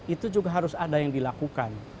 itu juga harus ada yang dilakukan